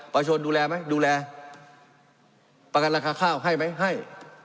ประชนดูแลไหมดูแลประกันราคาข้าวให้ไหมให้